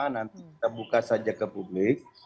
nanti kita buka saja ke publik